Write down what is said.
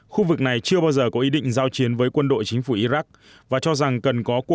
khu vực này chưa bao giờ có ý định giao chiến với quân đội chính phủ iraq